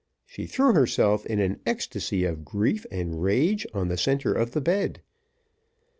she threw herself in an ecstasy of grief and rage on the centre of the bed.